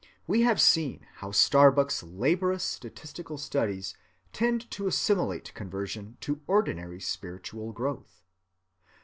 We have seen how Starbuck's laborious statistical studies tend to assimilate conversion to ordinary spiritual growth.